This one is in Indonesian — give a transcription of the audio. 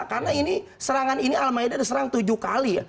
karena ini serangan ini al ma'idah diserang tujuh kali ya